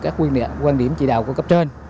các quan điểm chỉ đạo của cấp trên